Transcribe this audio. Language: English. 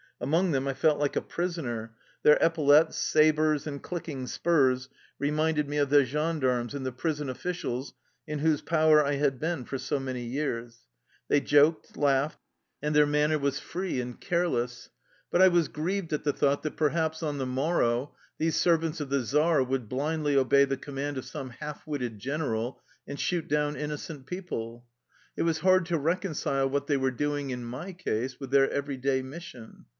Among them I felt like a prisoner; their epaulets, sabers, and clicking spurs reminded me of the gendarmes and the prison officials in whose power I had been for so many years. They joked, laughed, and their manner was free 225 THE LIFE STORY OF A RUSSIAN EXILE and careless. But I was grieved at the thought that perhaps on the morrow these servants of the czar would blindly obey the command of some half witted general and shoot down inno cent people. It was hard to reconcile what they were doing in my case with their every day mis sion.